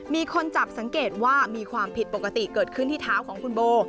มีคนจับสังเกตว่ามีความผิดปกติเกิดขึ้นที่เท้าของคุณโบ